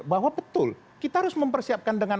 bahwa betul kita harus mempersiapkan dengan